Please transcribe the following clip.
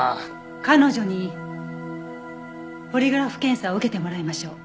彼女にポリグラフ検査を受けてもらいましょう。